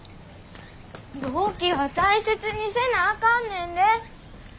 同期は大切にせなあかんねんで。